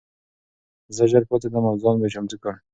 زه ژر پاڅېدم او ځان مې چمتو کړ.